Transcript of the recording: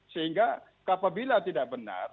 sehingga kapabila tidak benar